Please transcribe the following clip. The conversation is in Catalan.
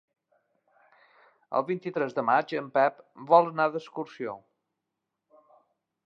El vint-i-tres de maig en Pep vol anar d'excursió.